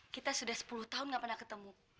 kita sudah sepuluh tahun tidak pernah bertemu